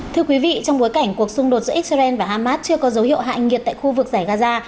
thưa quý vị trong bối cảnh cuộc xung đột giữa israel và hamas chưa có dấu hiệu hạ nghiệt tại khu vực giải gaza